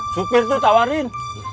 supir tuh tawarin